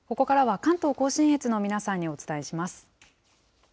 関東甲信越の皆さんにお伝えします。